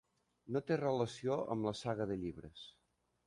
No té relació amb la saga de llibres.